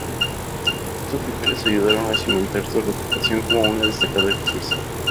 Estos papeles ayudaron a cimentar su reputación como una destacada actriz.